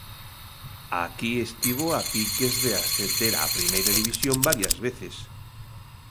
Aquí estivo a piques de ascender á Primeira División varias veces.